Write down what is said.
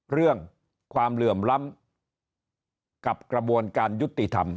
เรื่องความเหลื่อมล้ำกับกระบวนการยุติธรรม